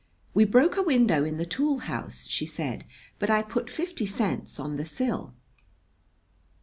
"We broke a window in the tool house," she said; "but I put fifty cents on the sill."